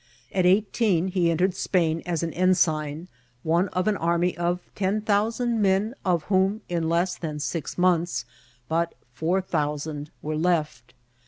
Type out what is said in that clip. At eighteen he entered Spain as an ensign, one of an army of ten thousand men, of whom, in less than six months, but four thousand were left.